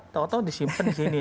tau tau disimpan di sini